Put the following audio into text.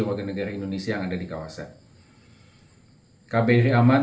warga negara indonesia yang ada di kawasan kbri aman